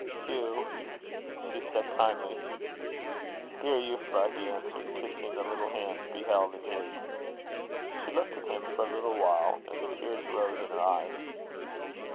"Hugh!" she said, kindly. "Dear Euphra!" he answered, kissing the little hand he held in his. She looked at him for a little while, and the tears rose in her eyes.